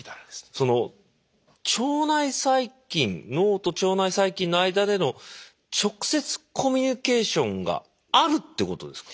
その腸内細菌脳と腸内細菌の間での直接コミュニケーションがあるっていうことですか？